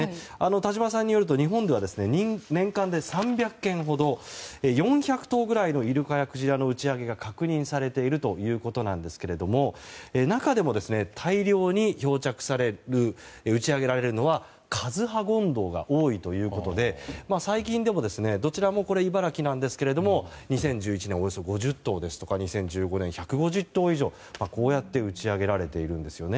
田島さんによると日本では年間で３００件ほど４００頭ぐらいのイルカやクジラの打ち揚げが確認されているということなんですけれども中でも大量に打ち揚げられるのはカズハゴンドウが多いということで最近でも、どちらもこれ茨城なんですけれども２０１１年およそ５０頭ですとか２０１５年、１５０頭以上がこうやって打ち揚げられているんですね。